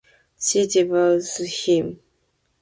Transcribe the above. She divorced him.